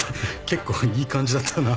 結構いい感じだったよな。